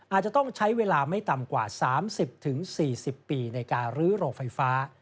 อาจจะต้องใช้เวลาไม่ต่ำกว่า๓๐๔๐ปีในการรื้อโรงไฟฟ้า